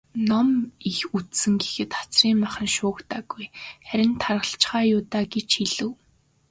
"Ном их үзсэн гэхэд хацрын нь мах шуугдаагүй, харин таргалчихаа юу даа" гэж хэлэв.